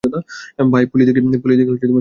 ভাই, পুলিশ দেখি সবজায়গায়।